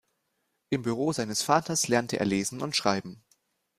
Im Büro seines Vaters lernte er lesen und schreiben.